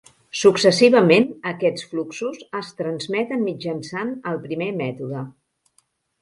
Successivament, aquests fluxos es transmeten mitjançant el primer mètode.